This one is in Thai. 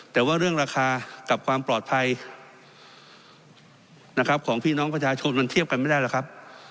แต่ว่าเรื่องราคากับความปลอดภัยนะครับของพี่น้องประชาชนมันเทียบกันไม่ได้หรอกครับ